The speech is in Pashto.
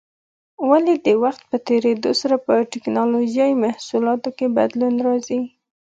ولې د وخت په تېرېدو سره په ټېکنالوجۍ محصولاتو کې بدلون راځي؟